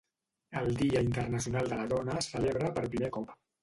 El Dia Internacional de la Dona es celebra per 'primer cop'.